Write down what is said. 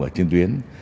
ở trên tuyến